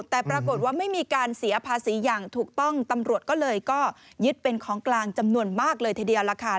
แต่ปรากฏว่าไม่มีการเสียภาษีอย่างถูกต้องตำรวจก็เลยก็ยึดเป็นของกลางจำนวนมากเลยทีเดียวล่ะค่ะ